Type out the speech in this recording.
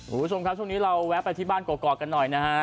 คุณผู้ชมครับช่วงนี้เราแวะไปที่บ้านกรอกกันหน่อยนะฮะ